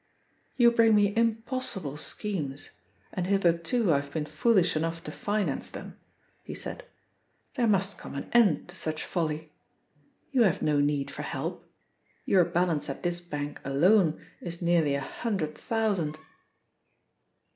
"You bring me impossible schemes, and hitherto I have been foolish enough to finance them," he said. "There must come an end to such folly. You have no need for help. Your balance at this bank alone is nearly a hundred thousand."